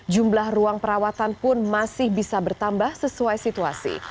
jumlah ruang perawatan pun masih bisa bertambah sesuai situasi